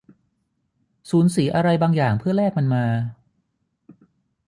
สูญเสียอะไรบางอย่างเพื่อแลกมันมา